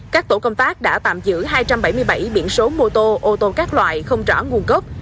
các tổ công tác đã tạm giữ hai trăm bảy mươi bảy biển số mô tô ô tô các loại không rõ nguồn gốc